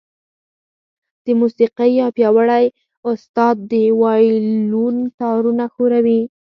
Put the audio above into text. د موسيقۍ يو پياوړی استاد د وايلون تارونه ښوروي.